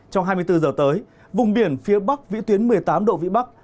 trong hai mươi bốn giờ tới vùng biển phía bắc vĩ tuyến một mươi tám độ vĩ bắc